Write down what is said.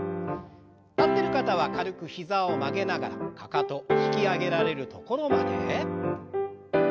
立ってる方は軽く膝を曲げながらかかと引き上げられるところまで。